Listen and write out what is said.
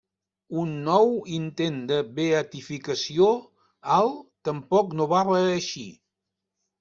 Un nou intent de beatificació al tampoc no va reeixir.